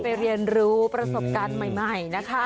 เรียนรู้ประสบการณ์ใหม่นะคะ